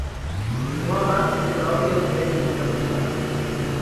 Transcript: No abans que trobi el que he vingut a buscar.